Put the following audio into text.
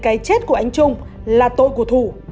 cái chết của anh trung là tội của thủ